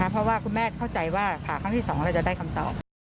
เพราะว่าคุณแม่เข้าใจว่าผ่าครั้งที่๒เราจะได้คำตอบ